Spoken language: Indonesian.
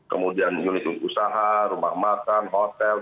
kemudian unit usaha rumah makan hotel